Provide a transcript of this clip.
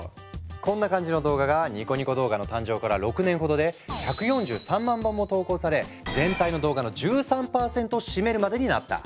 こんな感じの動画がニコニコ動画の誕生から６年ほどで１４３万本も投稿され全体の動画の１３％を占めるまでになった。